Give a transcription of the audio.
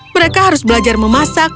mereka harus belajar memasak